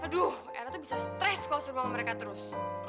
aduh yara tuh bisa stress kalau serbang sama mereka terus